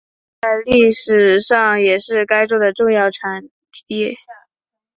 在历史上也是该州的重要产业。